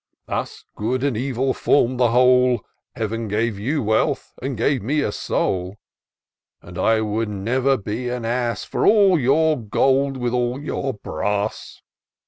Thus good and evil form the whole — Heaven gave you wealth, and me a soul : And I would never be an ass For all your gold, with all your brass.